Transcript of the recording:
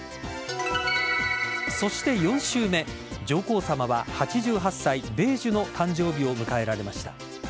そして４週目上皇さまは８８歳、米寿の誕生日を迎えられました。